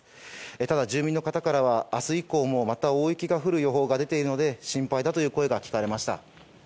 ただ、住民の方からは明日以降もまた大雪が降る予報が出ているので心配だという声が聞かれました。